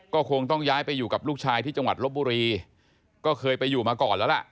ก็คงต้องย้ายไปอยู่กับลูกชายที่จังหวัดลบบุรีก็เคยไปอยู่มาก่อนแล้วล่ะ